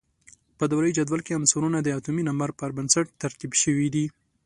په دوره یي جدول کې عنصرونه د اتومي نمبر پر بنسټ ترتیب شوي دي.